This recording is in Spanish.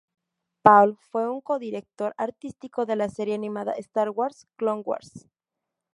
Paul fue un co-director artístico de la serie animada "Star Wars: Clone Wars".